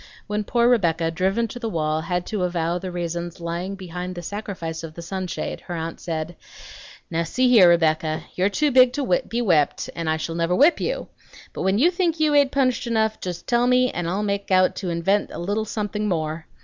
When poor Rebecca, driven to the wall, had to avow the reasons lying behind the sacrifice of the sunshade, her aunt said, "Now see here, Rebecca, you're too big to be whipped, and I shall never whip you; but when you think you ain't punished enough, just tell me, and I'll make out to invent a little something more.